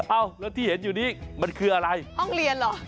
เอ้าแล้วที่เห็นอยู่นี้มันคืออะไรห้องเรียนเหรอ